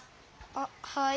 あっはい。